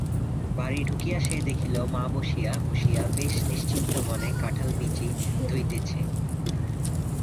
বাড়ি ঢুকিযা সে দেখিল মা বসিয়া বসিযা বেশ নিশ্চিন্ত মনে কাঁঠালবীচি ধুইতেছে।